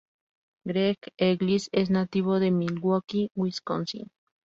Greg Eagles es nativo de Milwaukee, Wisconsin.